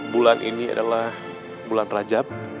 bulan ini adalah bulan rajab